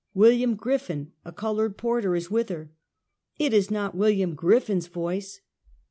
" "William Griffin (a colored porter) is with her." " It is not William Griffin's voice."